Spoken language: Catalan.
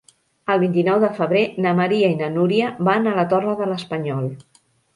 El vint-i-nou de febrer na Maria i na Núria van a la Torre de l'Espanyol.